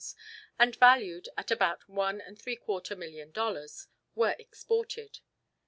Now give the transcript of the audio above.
and valued at about one and three quarter million dollars, were exported.